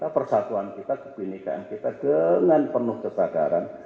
persatuan dan kebinikan kita dengan penuh ketadaran